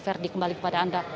verdi kembali kepada anda